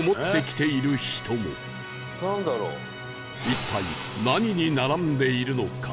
一体何に並んでいるのか？